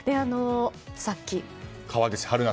さっき。